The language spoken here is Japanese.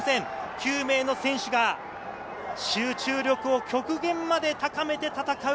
９名の選手が集中力を極限まで高めて戦う